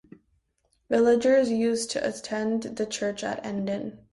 Villagers used to attend the church at Endon.